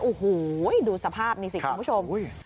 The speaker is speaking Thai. โอ้โหดูสภาพนี่สิคุณผู้ชม